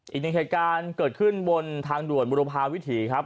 อีกหนึ่งเหตุการณ์เกิดขึ้นบนทางด่วนบุรพาวิถีครับ